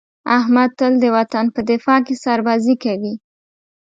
احمد تل د وطن په دفاع کې سربازي کوي.